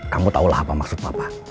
kamu tahulah apa maksud bapak